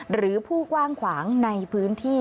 หรือผู้กว้างขวางในพื้นที่